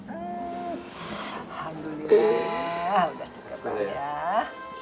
alhamdulillah udah seger banyak